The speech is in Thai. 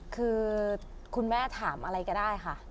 คือคุณแม่ถามอะไรก็ได้ค่ะ